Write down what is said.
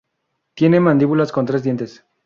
Tienen mandíbulas con tres dientes.